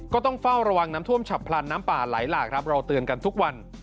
ก็ต้องเฝ้าระวังน้ำท่วมฉับพลันน้ำป่าไหลหลากครับเราเตือนกันทุกวัน